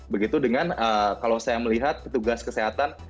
begitu dengan kalau saya melihat petugas kesehatan